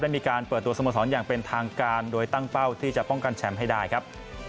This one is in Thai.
มีการเปิดตัวสโมสรอย่างเป็นทางการโดยตั้งเป้าที่จะป้องกันแชมป์ให้ได้ครับ